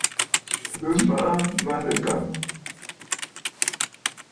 Bɨ maʼa manɨkàŋə̀.